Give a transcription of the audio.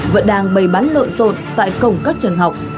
vẫn đang bày bắn lợi sột tại cổng các trường học